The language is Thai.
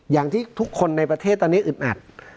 อย่างที่ทุกคนในประเทศตอนนี้อึดอัด